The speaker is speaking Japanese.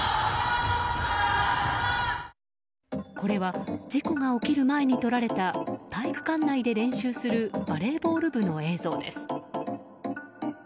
これは事故が起きる前に撮られた体育館内で練習するバレーボール部の映像です。